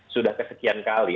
sudah kesekian kali